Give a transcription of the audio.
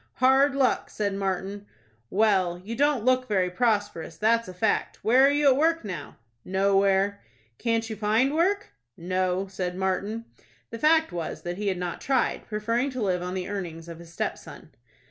"Hard luck!" said Martin. "Well, you don't look very prosperous, that's a fact. Where are you at work now?" "Nowhere." "Can't you find work?" "No," said Martin. The fact was that he had not tried, preferring to live on the earnings of his stepson.